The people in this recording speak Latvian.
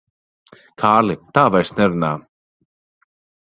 Kārli, tā vairs nerunā.